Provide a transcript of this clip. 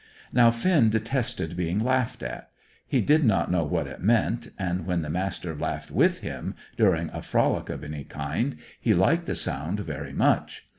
Now Finn detested being laughed at. He did not know what it meant, and when the Master laughed with him, during a frolic of any kind, he liked the sound very much.